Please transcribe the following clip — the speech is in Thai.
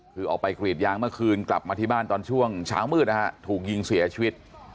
คือออกไปกรีดยางเมื่อคืนกลับมาที่บ้านตอนช่วงเช้ามืดนะฮะถูกยิงเสียชีวิต